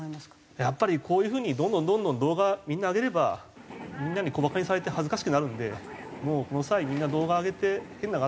やっぱりこういう風にどんどんどんどん動画みんな上げればみんなに小バカにされて恥ずかしくなるんでもうこの際みんな動画上げて変なのがあったら。